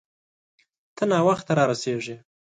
ته ناوخته را رسیږې